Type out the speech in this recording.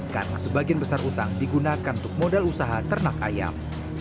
karena sebagian besar utang digunakan untuk modal usaha ternak ayam